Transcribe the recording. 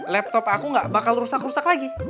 laptop aku gak bakal rusak rusak lagi